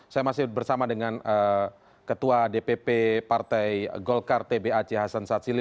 saya masih bersama dengan ketua dpp partai golkar t b aceh hasan satsili